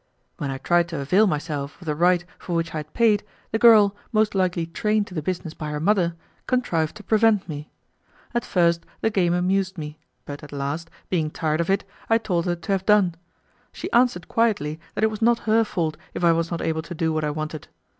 When I tried to avail myself of the right for which I had paid, the girl, most likely trained to the business by her mother, contrived to prevent me. At first the game amused me, but at last, being tired of it, I told her to have done. She answered quietly that it was not her fault if I was not able to do what I wanted.